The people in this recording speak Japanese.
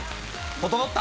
整った。